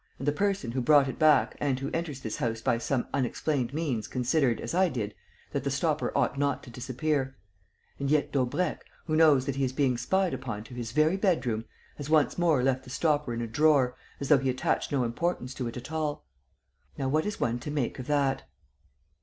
And the person who brought it back and who enters this house by some unexplained means considered, as I did, that the stopper ought not to disappear. And yet Daubrecq, who knows that he is being spied upon to his very bedroom, has once more left the stopper in a drawer, as though he attached no importance to it at all! Now what is one to make of that?"